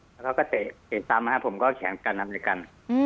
แล้วเขาก็เตะตามมาผมก็แขนกันทำด้วยกัน